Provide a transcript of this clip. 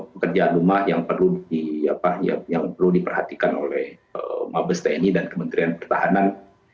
pekerjaan rumah yang perlu diperhatikan oleh mabes tni dan kementerian pertahanan